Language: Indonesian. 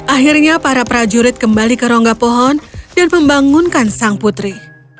akhirnya para prajurit kembali ke rongga pohon dan membangunkan sang putri